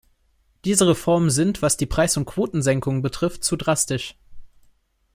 Diese Reformen sind, was die Preis- und Quotensenkungen betrifft, zu drastisch.